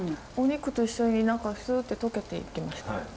お肉と一緒に何かスッて溶けていきました。